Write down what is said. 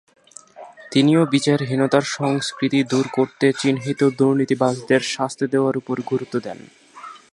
তিনিও বিচারহীনতার সংস্কৃতি দুর করতে চিহ্নিত দুর্নীতিবাজদের শাস্তি দেওয়ার ওপর গুরুত্ব দেন।